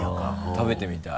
食べてみたい。